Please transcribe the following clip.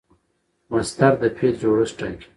مصدر د فعل جوړښت ټاکي.